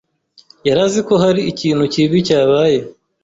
yari azi ko hari ikintu kibi cyabaye.